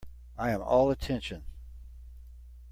I am all attention.